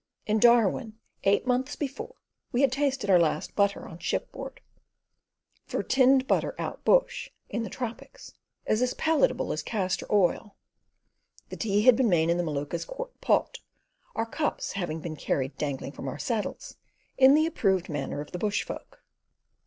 In Darwin, eight months before we had tasted our last butter on ship board, for tinned butter, out bush, in the tropics, is as palatable as castor oil. The tea had been made in the Maluka's quart pot, our cups having been carried dangling from our saddles, in the approved manner of the bush folk.